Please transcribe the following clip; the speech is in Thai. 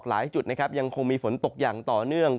หลายจุดนะครับยังคงมีฝนตกอย่างต่อเนื่อง